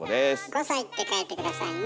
「５さい」って書いて下さいね。